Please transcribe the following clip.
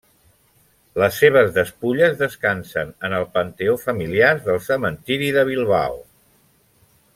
Les seves despulles descansen en el panteó familiar del cementiri de Bilbao.